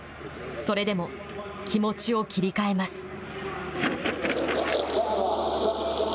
それでも気持ちを切り替えます。